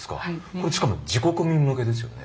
これしかも自国民向けですよね。